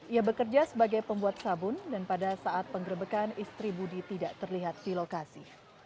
ia bekerja sebagai pembuat sabun dan pada saat penggerbekan istri budi tidak terlihat di lokasi